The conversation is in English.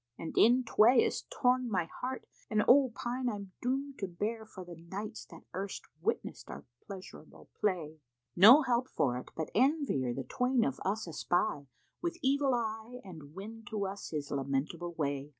And in tway is torn my heart and O pine I'm doomed to bear * For the nights that erst witnessed our pleasurable play! No help for it but Envier the twain of us espy * With evil eye and win to us his lamentable way.